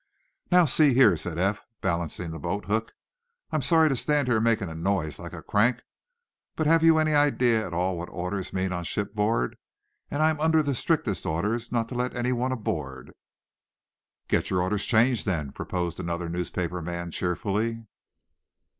"Now, see here," said Eph, balancing the boathook, "I'm sorry to stand here making a noise like a crank, but have you any idea at all what orders mean on shipboard? And I'm under the strictest orders not to let anyone aboard." "Get your orders changed, then," proposed another newspaper man, cheerfully.